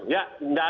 ya tidak ada